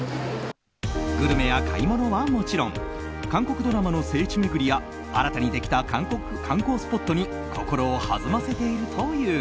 グルメや買い物はもちろん韓国ドラマの聖地巡りや新たにできた観光スポットに心を弾ませているという。